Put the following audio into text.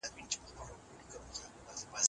ایا د دوی دوستان به په خپلو کي جګړه وکړي؟